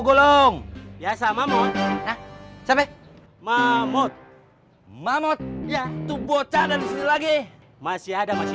gulung ya sama mod sampai mahmud mahmud ya tuh bocah dari sini lagi masih ada masih